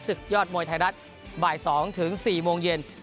ศึกยอดมวยไทยรัฐบ่าย๒๔โมงเย็น